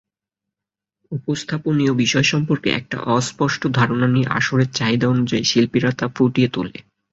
উপস্থাপনীয় বিষয় সম্পর্কে একটা অস্পষ্ট ধারণা নিয়ে আসরের চাহিদা অনুযায়ী শিল্পীরা তা ফুটিয়ে তোলে।